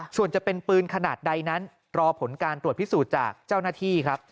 ส่วนจะเป็นปืนขนาดใดนั้นรอผลการตรวจพิสูจน์จากเจ้าหน้าที่ครับ